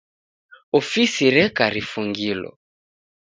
Ofisi reka rifungilo.